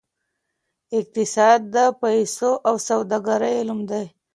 اقتصاد د پیسو او سوداګرۍ علم دی.